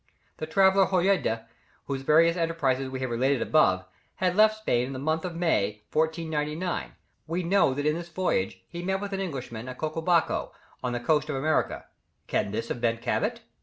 The traveller Hojeda, whose various enterprises we have related above, had left Spain in the month of May, 1499. We know that in this voyage he met with an Englishman at Caquibaco, on the coast of America. Can this have been Cabot?